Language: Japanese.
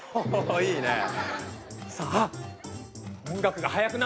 おいいね。